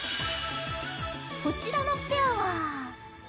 こちらのペアは。